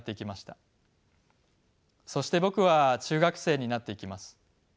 そして僕は中学生になっていきます。